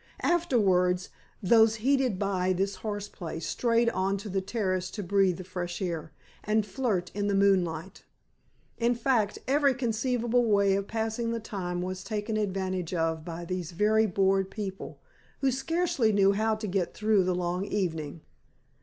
Afterwards, those heated by this horse play strayed on to the terrace to breathe the fresh air, and flirt in the moonlight. In fact, every conceivable way of passing the time was taken advantage of by these very bored people, who scarcely knew how to get through the long evening.